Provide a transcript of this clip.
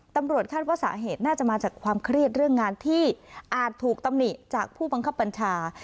ตำรวจคาดว่าสาเหตุน่าจะมาจากความเครียดเรื่องงานที่อาจถูกตำหนิจากผู้บังคับบัญชา